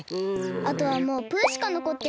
あとはもうプしかのこってないな。